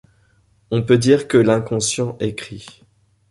On peut dire que l'inconscient écrit.